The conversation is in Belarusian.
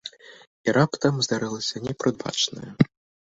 І раптам здарылася непрадбачанае.